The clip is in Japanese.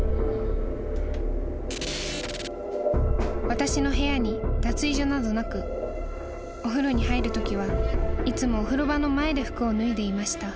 ［私の部屋に脱衣所などなくお風呂に入るときはいつもお風呂場の前で服を脱いでいました］